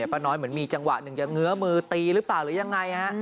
ป้าน้อยเหมือนมีจังหวะหนึ่งจะเงื้อมือตีหรือเปล่าหรือยังไงฮะ